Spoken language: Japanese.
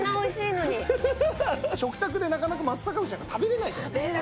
食卓でなかなか松阪牛なんか食べられないじゃないですか。